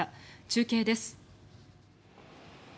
中継です。